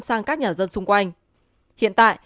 sang các nhà dân xung quanh hiện tại